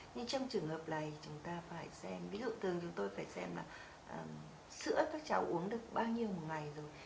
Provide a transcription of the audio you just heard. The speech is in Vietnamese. nhưng trong trường hợp này chúng ta phải xem ví dụ tường chúng tôi phải xem là sữa các cháu uống được bao nhiêu một ngày rồi